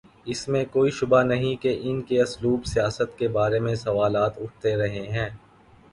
اس میں کوئی شبہ نہیں کہ ان کے اسلوب سیاست کے بارے میں سوالات اٹھتے رہے ہیں۔